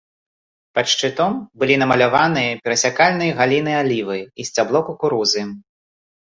Пад шчытом былі намаляваныя перасякальныя галіны алівы і сцябло кукурузы.